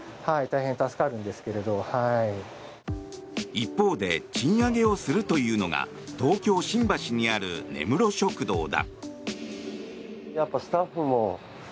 一方で賃上げをするというのが東京・新橋にある根室食堂だ。